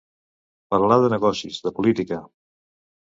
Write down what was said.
Parlar de negocis, de política.